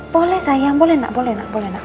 boleh sayang boleh nak boleh nak boleh nak